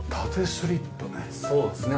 そうですね。